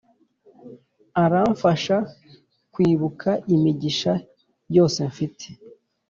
aramfasha kwibuka imigisha yose mfite.